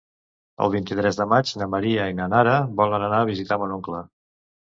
El vint-i-tres de maig na Maria i na Nara volen anar a visitar mon oncle.